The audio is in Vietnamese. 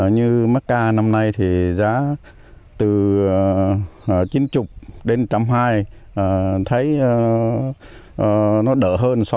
như mắc ca năm nay thì giá từ chín mươi đồng